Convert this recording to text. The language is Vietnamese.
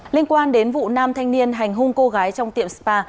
liên quan đến vụ nam thanh niên hành hung cô gái trong tiệm spa